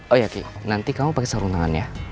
oh iya oke nanti kamu pakai sarung tangan ya